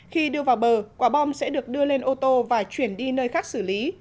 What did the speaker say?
khi đưa vào bờ quả bom sẽ được đưa lên ô tô và chuyển đi nơi khác xử lý